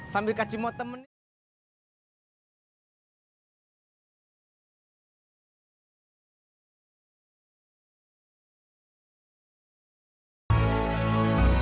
sambil kak simot temenin